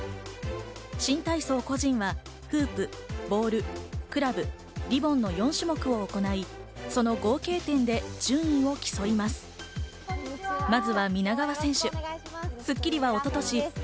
新体操個人はフープ、ボール、クラブ、リボンの４種目を行い、その合計点で順位を競います。